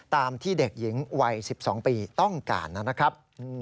ตามที่เด็กหญิงวัย๑๒ปีต้องการนะครับ